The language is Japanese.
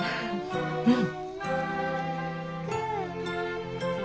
うん。